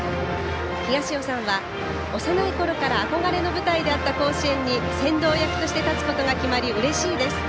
東尾さんは、幼いころから憧れの舞台であった甲子園に先導役として立つことが決まりうれしいです。